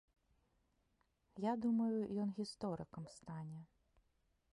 Я думаю, ён гісторыкам стане.